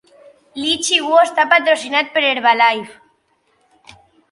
Lee Chi Wo està patrocinat per Herbalife.